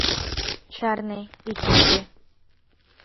— Чарне, ит лӱшкӧ.